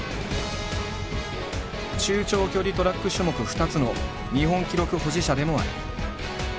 中長距離トラック種目２つの日本記録保持者でもある。